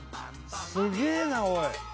「すげえなおい！」